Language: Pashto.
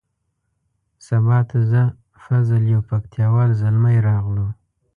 سبا ته زه فضل یو پکتیا وال زلمی راغلو.